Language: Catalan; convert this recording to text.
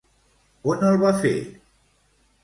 On el va fer?